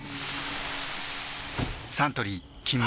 サントリー「金麦」